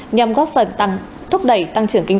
nhằm góp phần thúc đẩy tăng trưởng kinh tế